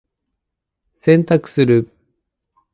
洗濯する。